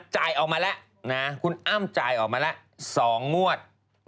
จ่ายออกมาแล้วนะคุณอ้ำจ่ายออกมาแล้ว๒งวด